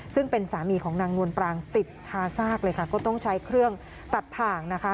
ซึ่งเป็นสามีของนางนวลปรางติดคาซากเลยค่ะก็ต้องใช้เครื่องตัดถ่างนะคะ